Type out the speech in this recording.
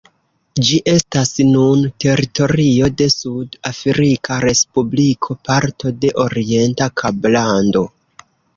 Ĝi estas nun teritorio de Sud-Afrika Respubliko, parto de Orienta Kablando.